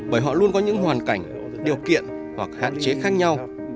bởi họ luôn có những hoàn cảnh điều kiện hoặc hạn chế khác nhau